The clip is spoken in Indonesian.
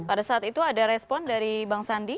pada saat itu ada respon dari bang sandi